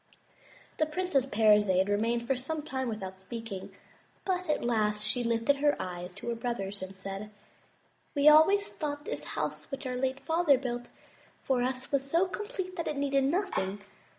The Princess Parizade remained for some time without speak ing, but at last she lifted up her eyes to her brothers and said: "We always thought this house which our late father built for us was so complete that it needed nothing.